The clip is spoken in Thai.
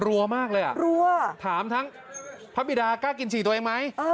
รัวมากเลยอ่ะรัวถามทั้งพระบิดากล้ากินฉี่ตัวเองไหม